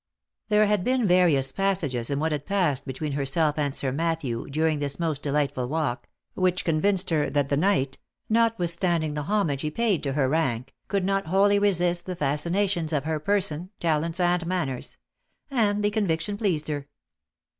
There had been various passages in what had passed between herself and Sir c 18 THE LIFE AND ADVENTURES Matthew, during this most delightful walk, which convinced her that the knight, notwithstanding the homage he paid to her rank, could not wholly resist the fascinations of her person, talents, and manners ;— and the conviction pleased her.